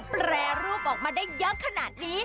แปรรูปออกมาได้เยอะขนาดนี้